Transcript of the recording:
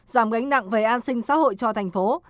giảm gánh nặng về an sinh xã hội cho thành phố